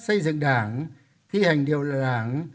xây dựng đảng thi hành điều lệ đảng